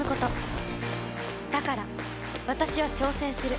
だから私は挑戦する。